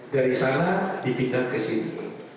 dari sana dipindah ke sini